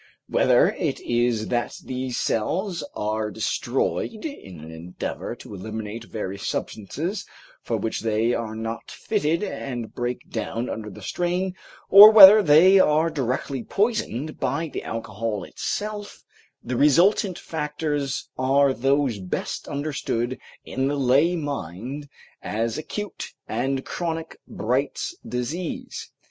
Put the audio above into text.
Whether it is that these cells are destroyed in an endeavor to eliminate various substances for which they are not fitted and break down under the strain, or whether they are directly poisoned by the alcohol itself, the resultant factors are those best understood in the lay mind as acute and chronic Bright's disease.